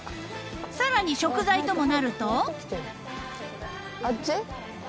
［さらに食材ともなると］